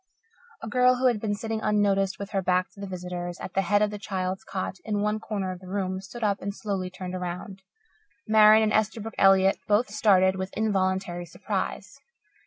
A girl, who had been sitting unnoticed with her back to the visitors, at the head of the child's cot in one corner of the room, stood up and slowly turned around. Marian and Esterbrook Elliott both started with involuntary surprise.